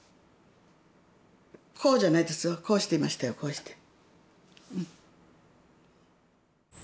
こうじゃないですよこうしていましたよこうして。